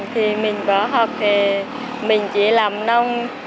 thì mình bỏ học thì mình chỉ làm nông